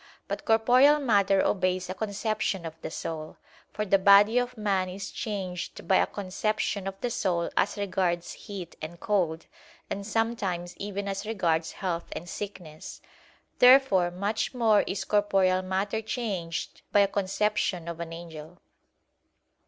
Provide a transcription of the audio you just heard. But corporeal matter obeys a conception of the soul; for the body of man is changed by a conception of the soul as regards heat and cold, and sometimes even as regards health and sickness. Therefore much more is corporeal matter changed by a conception of an angel.